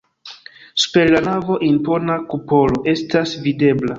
Super la navo impona kupolo estas videbla.